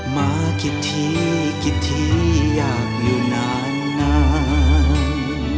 มากี่ทีกี่ทีอยากอยู่นานนาน